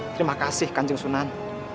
terima kasih kanjeng sunan